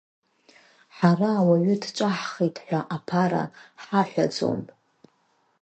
Ҳара ауаҩы дҿаҳхит ҳәа аԥара ҳаҳәаӡом.